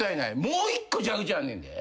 もう１個蛇口あんねんで。